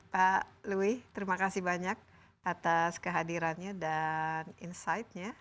pak louis terima kasih banyak atas kehadirannya dan insightnya